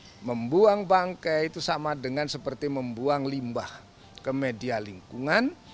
kemudian membuang bangkai itu sama dengan seperti membuang limbah ke media lingkungan